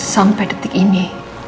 sampai detik ini